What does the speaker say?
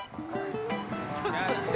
ちょっと待って。